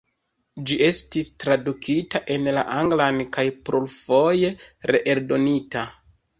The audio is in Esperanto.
Ĝi estis tradukita en la anglan kaj plurfoje reeldonita.